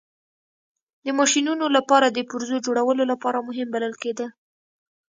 د ماشینونو لپاره د پرزو جوړولو لپاره مهم بلل کېده.